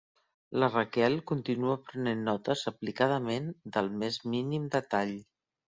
La Raquel continua prenent notes aplicadament del més mínim detall.